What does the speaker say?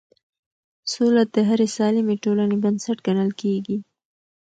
سوله د هرې سالمې ټولنې بنسټ ګڼل کېږي